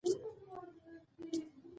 مرکب صفت مانا روښانه کوي.